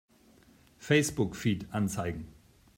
Facebook-Feed anzeigen!